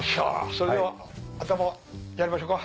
それでは頭やりましょか。